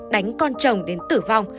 đánh con chồng đến tử vong